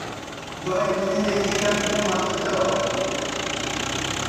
دوای نووستنێکی کەم خۆمان شتەوە